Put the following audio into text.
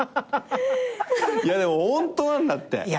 いやでも本当なんだって。